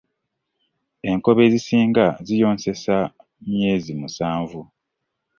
Enkobe ezisinga ziyonseza emyezi musanvu.